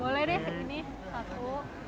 boleh deh ini satu